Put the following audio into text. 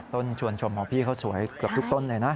ชวนชมของพี่เขาสวยเกือบทุกต้นเลยนะ